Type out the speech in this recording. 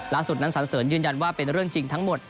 สุดนั้นสันเสริญยืนยันว่าเป็นเรื่องจริงทั้งหมด